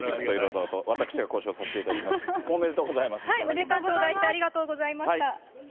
お時間頂戴いただきまして、ありがとうございました。